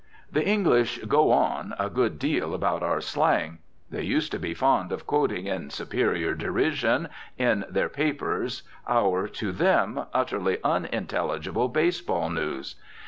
The English "go on" a good deal about our slang. They used to be fond of quoting in superior derision in their papers our, to them, utterly unintelligible baseball news.